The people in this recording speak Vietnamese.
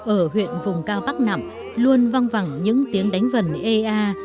ở huyện vùng cao bắc nẵm luôn văng vẳng những tiếng đánh vần e a